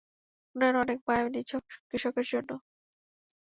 উনার অনেক মাঁয়া নিছক কৃষকের জন্য।